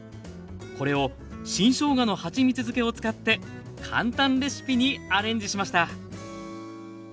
これを新しょうがのはちみつ漬けを使って簡単レシピにアレンジしました。